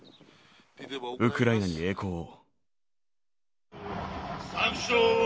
ウクライナに栄光を。